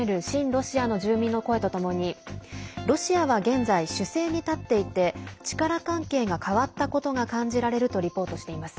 ロシアの住民の声とともにロシアは現在、守勢に立っていて力関係が変わったことが感じられるとリポートしています。